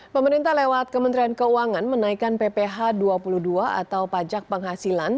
pemerintah lewat kementerian keuangan menaikkan pph dua puluh dua atau pajak penghasilan